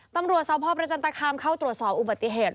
ตำรวจสพประจันตคามเข้าตรวจสอบอุบัติเหตุ